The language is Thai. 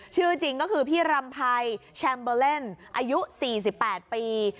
ชื่อจริงก็คือพี่รำไพรแชมเบอร์เล่นอายุ๔๘ปี